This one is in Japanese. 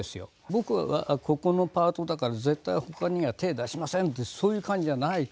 「僕はここのパートだから絶対ほかには手出しません」ってそういう感じじゃないから。